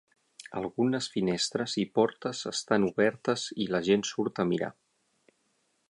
Algunes finestres i portes estan obertes i la gent surt a mirar.